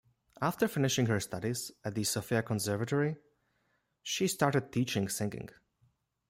After finishing her studies at the Sofia Conservatory, she started teaching singing.